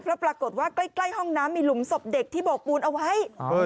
เพราะปรากฏว่าใกล้ห้องน้ำมีหลุมศพเด็กที่โบกปูนเอาไว้